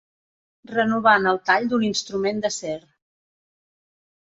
Renovant el tall d'un instrument d'acer.